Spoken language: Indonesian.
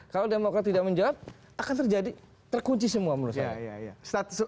kalau demokrat tidak menjawab akan terjadi terkunci semua menurut saya